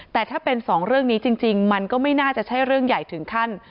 แต่ถ้าเป็นสองเรื่องนี้จริงมันก็ไม่น่าจะใช่เรื่องใหญ่ถึงขั้น